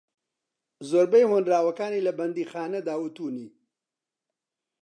زۆربەی ھۆنراوەکانی لە بەندیخانەدا وتونی